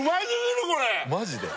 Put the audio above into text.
マジで？